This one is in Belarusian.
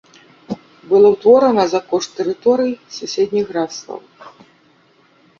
Было ўтворана за кошт тэрыторый суседніх графстваў.